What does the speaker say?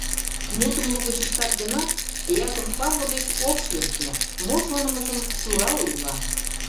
Мутым лугыч ыштат гынат, Яков Павлович ок шӱртньӧ, мо шонымыжым тура ойла.